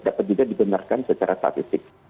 dapat juga dibenarkan secara statistik